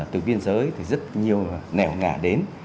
từ biên giới thì rất nhiều nẻo ngả đến